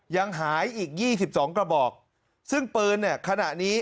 ยังหายอีก๒๒กระบอกซึ่งปืนเนี่ยขณะนี้